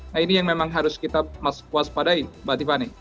nah ini yang memang harus kita waspadai mbak tiffany